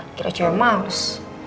dikira cuma malus